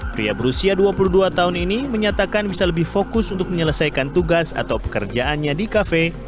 pria berusia dua puluh dua tahun ini menyatakan bisa lebih fokus untuk menyelesaikan tugas atau pekerjaannya di kafe